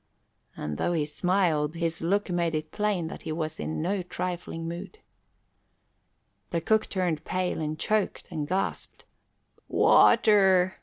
And though he smiled, his look made it plain that he was in no trifling mood. The cook turned pale and choked and gasped. "Water!"